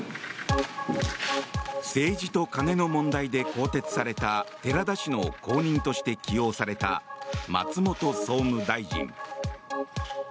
政治と金の問題で更迭された寺田氏の後任として起用された松本総務大臣。